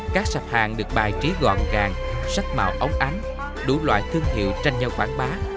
các sạp hàng được bài trí gọn gàng sắc màu ống ánh đủ loại thương hiệu tranh nhau quảng bá